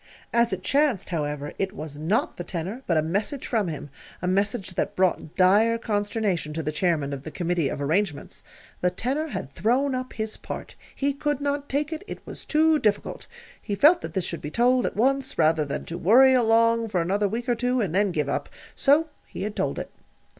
As it chanced, however, it was not the tenor, but a message from him a message that brought dire consternation to the Chairman of the Committee of Arrangements. The tenor had thrown up his part. He could not take it; it was too difficult. He felt that this should be told at once rather than to worry along for another week or two, and then give up. So he had told it.